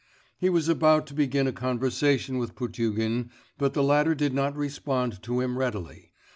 He was about to begin a conversation with Potugin, but the latter did not respond to him readily.